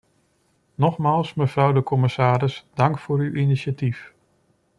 Nogmaals, mevrouw de commissaris, dank voor uw initiatief.